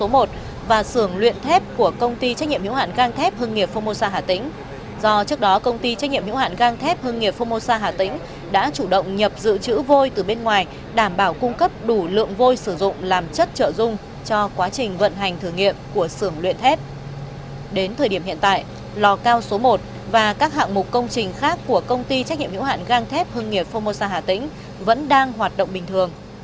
một công trình khác của công ty trách nhiệm hữu hạn găng thép hưng nghiệp phomosa hà tĩnh vẫn đang hoạt động bình thường